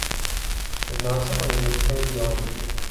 Jedná se o jednoduché sdělení.